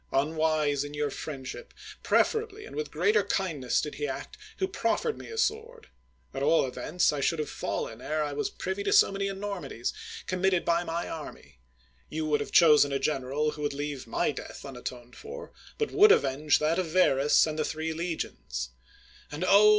Unwise in your friendship ! preferably and with greater kindness did he act who proffered me a sword; at all events I should have fallen ere I was privy to so many enormities committed by my army : you would have chosen a general who would leave my death unatoned for, but would avenge that of Varus and the three legions : and oh